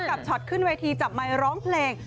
ช็อตขึ้นเวทีจับไมค์ร้องเพลง